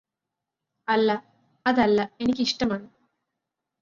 അല്ല അതല്ല എനിക്കിഷ്ടമാണ്